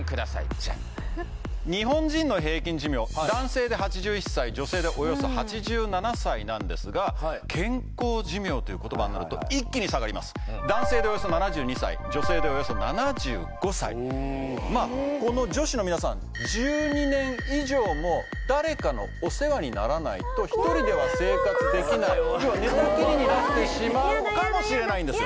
ジャン日本人の平均寿命男性で８１歳女性でおよそ８７歳なんですが男性でおよそ７２歳女性でおよそ７５歳まあこの女子の皆さんえっ１２年以上も誰かのお世話にならないと１人では生活できない要は寝たきりになってしまうかもしれないんですよ